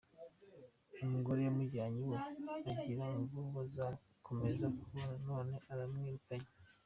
Umugore yamujyanye iwe agira ngo bazakomeza kubana none aramwirukanye